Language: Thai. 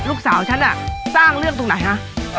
ลูกสาวฉันน่ะสร้างเรื่องตรงไหนฮะ